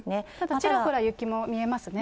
ちらほら雪も見えますね。